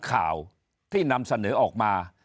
ข่าวที่นำเสนอออกมา